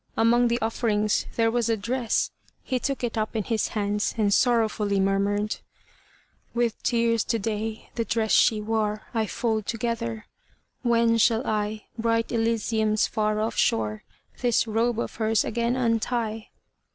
Among the offerings there was a dress. He took it up in his hands and sorrowfully murmured, "With tears to day, the dress she wore I fold together, when shall I Bright Elysium's far off shore This robe of hers again untie?"